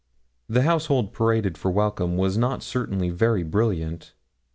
The household paraded for welcome was not certainly very brilliant.